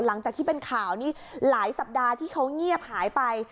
หลังจากที่เป็นข่าวนี่หลายสัปดาห์ที่เขาเงียบหายไป